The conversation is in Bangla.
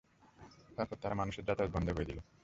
তারপর তারা মানুষের যাতায়াত বন্ধ করে দিল।